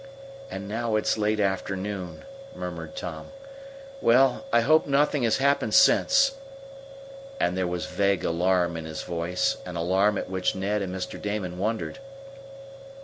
"And now it's late afternoon," murmured Tom. "Well, I hope nothing has happened since," and there was vague alarm in his voice, an alarm at which Ned and Mr. Damon wondered.